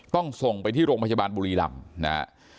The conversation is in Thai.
ต้องส่งไปที่โรงพยาบาลบุรีรำนะฮะ